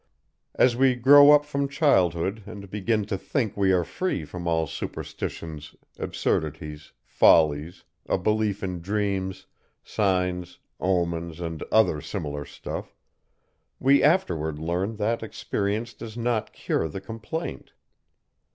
As we grow up from childhood and begin to think we are free from all superstitions, absurdities, follies, a belief in dreams, signs, omens, and other similar stuff, we afterward learn that experience does not cure the complaint.